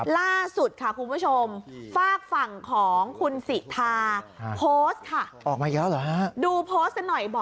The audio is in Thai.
ล่าสุดค่ะคุณผู้ชม